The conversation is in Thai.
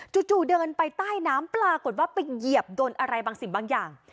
จู่เดินไปใต้น้ำปรากฏว่าไปเหยียบโดนอะไรบางสิ่งบางอย่าง